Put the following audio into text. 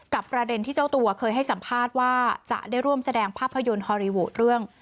ประเด็นที่เจ้าตัวเคยให้สัมภาษณ์ว่าจะได้ร่วมแสดงภาพยนตร์ฮอลลีวูดเรื่อง